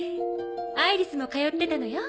アイリスも通ってたのよ。